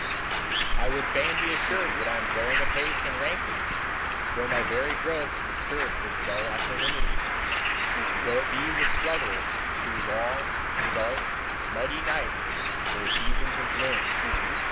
I would fain be assured that I am growing apace and rankly, though my very growth disturb this dull equanimity—though it be with struggle through long, dark, muggy nights or seasons of gloom.